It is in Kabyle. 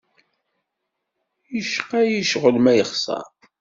Yecqa-yi ccɣel ma yexṣer.